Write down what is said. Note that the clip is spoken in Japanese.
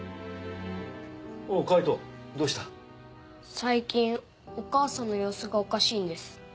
最近お母さんのようすがおかしいんです。